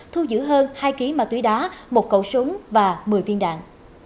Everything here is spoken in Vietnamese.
thu giữ hơn hai ký ma túy đá một cậu súng và một mươi viên đạn